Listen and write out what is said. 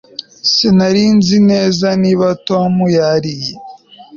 Sinari nzi neza niba Tom yariye